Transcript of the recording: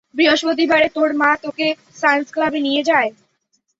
বৃহস্পতিবারে তোর মা তোকে সায়েন্স ক্লাবে নিয়ে যায়।